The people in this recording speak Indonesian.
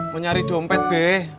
mau nyari dompet be